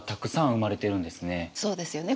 そうですよね。